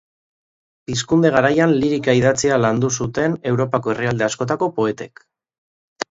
Pizkunde garaian lirika idatzia landu zuten Europako herrialde askotako poetek.